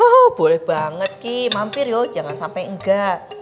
oh boleh banget ki mampir yuk jangan sampai enggak